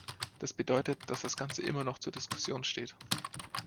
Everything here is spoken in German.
Das bedeutet, dass das Ganze immer noch zur Diskussion steht.